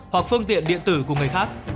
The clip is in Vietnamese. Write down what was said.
hoặc phương tiện điện tử của người khác